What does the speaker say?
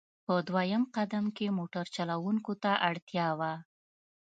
په دویم قدم کې موټر چلوونکو ته اړتیا وه.